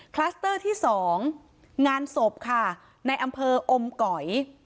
คลัสเตอร์ที่สองงานศพค่ะในอำเภออมก๋อย